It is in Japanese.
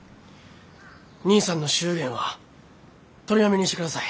兄さんの祝言は取りやめにしてください。